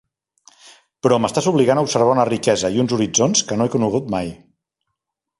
Però m'estàs obligant a observar una riquesa i uns horitzons que no he conegut mai.